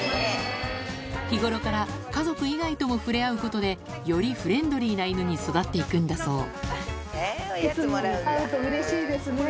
日頃から家族以外とも触れ合うことでよりフレンドリーな犬に育って行くんだそういつも会うとうれしいですね。